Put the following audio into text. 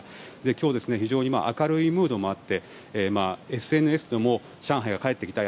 今日、非常に明るいムードもあってＳＮＳでも、上海が帰ってきた！